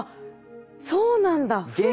そうなんだ。